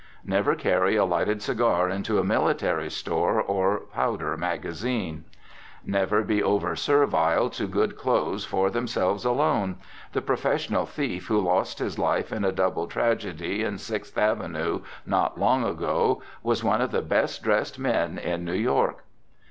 Never carry a lighted cigar into a millinery store or powder magazine. Never be over servile to good clothes for themselves alone. The professional thief who lost his life in a double tragedy in Sixth avenue not long ago, was one of the best dressed men in New York.